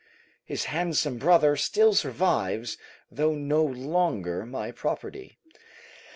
His handsome brother still survives, though no longer my property.